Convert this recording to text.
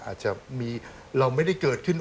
อาจจะมีเราไม่ได้เกิดขึ้น